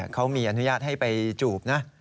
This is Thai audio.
เขามีอนุญาตให้ไปจูบนะ